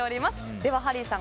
ではハリーさん